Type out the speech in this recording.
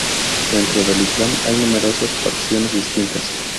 Dentro del islam hay numerosas facciones distintas.